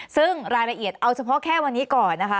ซึ่งรายละเอียดเอาเฉพาะแค่วันนี้ก่อนนะคะ